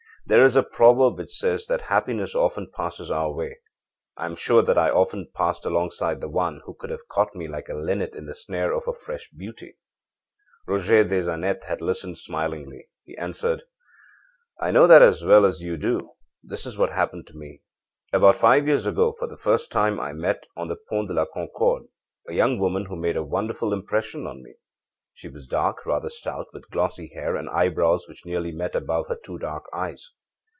There is a proverb which says that happiness often passes our way; I am sure that I have often passed alongside the one who could have caught me like a linnet in the snare of her fresh beauty.â Roger des Annettes had listened smilingly. He answered: âI know that as well as you do. This is what happened to me: About five years ago, for the first time I met, on the Pont de la Concorde, a young woman who made a wonderful impression on me. She was dark, rather stout, with glossy hair, and eyebrows which nearly met above two dark eyes.